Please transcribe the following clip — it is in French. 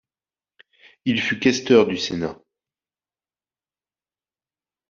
Il fut questeur du Sénat.